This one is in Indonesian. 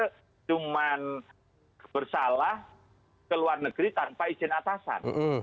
kita cuma bersalah ke luar negeri tanpa izin atasan